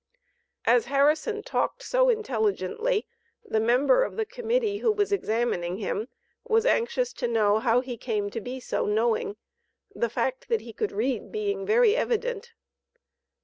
As Harrison talked so intelligently, the member of the Committee who was examining him, was anxious to know how he came to be so knowing, the fact that he could read being very evident.